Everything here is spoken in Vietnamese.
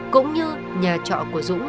cũng như nhà trọ của dũng